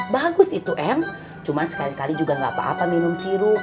bagus itu em cuman sekali kali juga nggak apa apa minum sirup